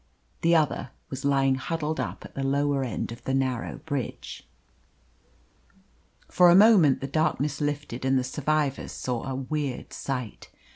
The other was lying huddled up at the lower end of the narrow bridge. For a moment the darkness lifted and the survivors saw a weird sight.